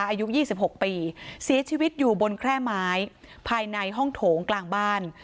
อายุ๒๖ปีเสียชีวิตอยู่บนแคร่ไม้ภายในห้องโถงกลางบ้าน